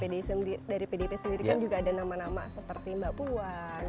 dari pdip sendiri kan juga ada nama nama seperti mbak puan